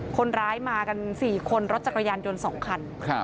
คนร้ายมากัน๔คนรถจักรยานยนต์๒คัน